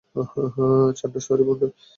চান্ডার, sorry বন্ধু।